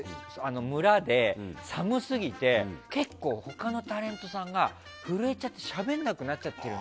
村で寒すぎて結構、他のタレントさんが震えちゃってしゃべらなくなっちゃってる